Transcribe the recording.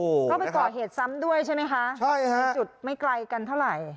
ก็ไปก่อเหตุซ้ำด้วยใช่ไหมคะใช่ฮะจุดไม่ไกลกันเท่าไหร่